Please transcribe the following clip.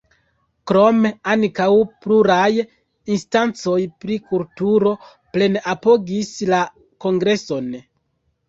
Krome, ankaŭ pluraj instancoj pri kulturo plene apogis la Kongreson.